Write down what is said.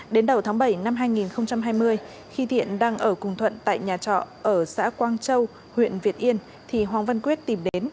đến đầu tháng bảy năm hai nghìn hai mươi khi thiện đang ở cùng thuận tại nhà trọ ở xã quang châu huyện việt yên thì hoàng văn quyết tìm đến